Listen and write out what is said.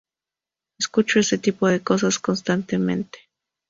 Escucho ese tipo de cosas constantemente"".